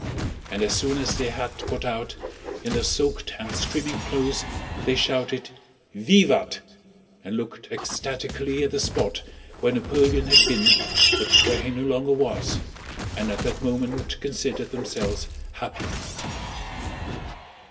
And as soon as they had got out, in their soaked and streaming clothes, they shouted "Vivat!" and looked ecstatically at the spot where Napoleon had been but where he no longer was and at that moment considered themselves happy.